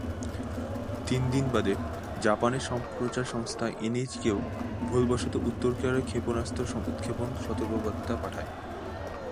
তিন দিন বাদে, জাপানের সম্প্রচার সংস্থা এনএইচকে-ও ভুলবশত উত্তর কোরিয়ার ক্ষেপণাস্ত্র উৎক্ষেপণ সতর্কবার্তা পাঠায়।